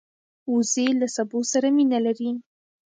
وزې له سبو سره مینه لري